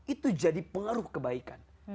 itu jadi pengaruh kebaikan